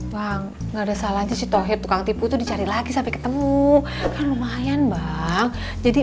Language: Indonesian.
bang nggak ada salahnya sih tohir tukang tipu itu dicari lagi sampai ketemu kan lumayan bang jadi